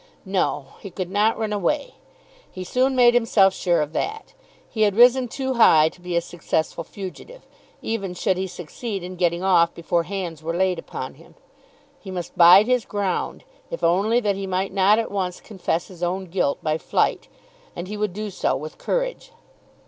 No; he could not run away. He soon made himself sure of that. He had risen too high to be a successful fugitive, even should he succeed in getting off before hands were laid upon him. He must bide his ground, if only that he might not at once confess his own guilt by flight; and he would do so with courage.